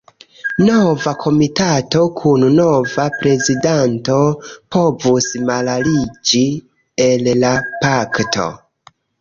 Nova komitato kun nova prezidanto povus malaliĝi el la Pakto.